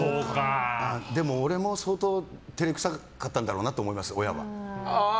俺も相当照れ臭かったんだろうなと思います、親は。